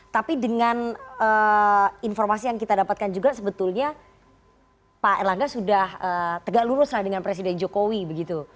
tapi dengan informasi yang kita dapatkan juga sebetulnya pak erlangga sudah tegak lurus lah dengan presiden jokowi begitu